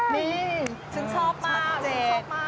นี่ฉันชอบมาก